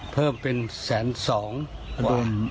เพิ่มเป็นแสนสองรวม